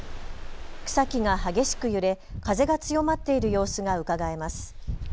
草木が激しく揺れ、風が強まっている様子がうかがえます。